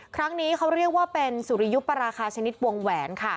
ครั้งนี้เขาเรียกว่าเป็นสุริยุปราคาชนิดวงแหวนค่ะ